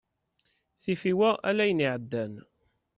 Tifiwa ala ayen iεeddan.